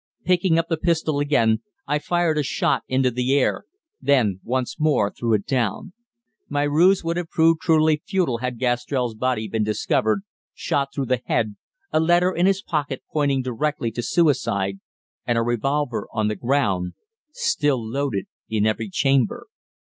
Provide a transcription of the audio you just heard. Picking up the pistol again I fired a shot into the air, then once more threw it down. My ruse would have proved truly futile had Gastrell's body been discovered, shot through the head, a letter in his pocket pointing directly to suicide, and a revolver on the ground still loaded in every chamber!